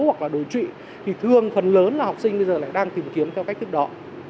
hoặc là đối trị thì thường phần lớn là học sinh bây giờ lại đang tìm kiếm theo cách thức đó